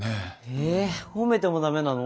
えっ褒めても駄目なの？